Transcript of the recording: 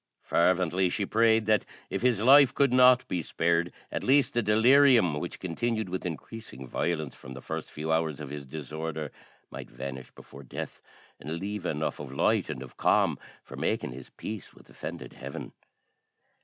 Fervently she prayed that, if his life could not be spared, at least the delirium, which continued with increasing violence from the first few hours of his disorder, might vanish before death, and leave enough of light and of calm for making his peace with offended Heaven.